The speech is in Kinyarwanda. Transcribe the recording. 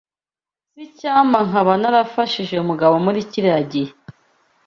[S] Icyampa nkaba narafashije Mugabo muri kiriya gihe.